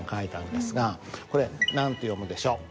これ何て読むでしょう？